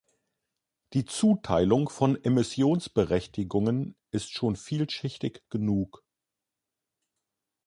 Die Zuteilung von Emissionsberechtigungen ist schon vielschichtig genug.